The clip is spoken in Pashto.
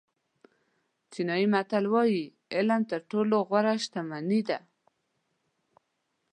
چینایي متل وایي علم تر ټولو غوره شتمني ده.